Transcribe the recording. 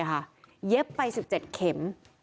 เย็บไป๑๗เข็ม